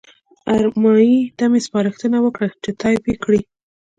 ارمایي ته مې سپارښتنه وکړه چې ټایپ یې کړي.